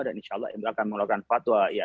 dan insyaallah akan melakukan fatwa